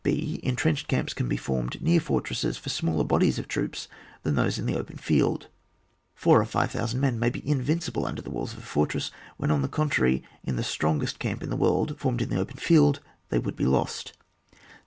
h. Entrenched camps can be formed near fortresses for smaller bodies of troops than those in the open field. Four or five thousand men may be invin cible under the walls of a fortress, when, on the contrary, in the strongest camp in the world, formed in the open field, they would be lost.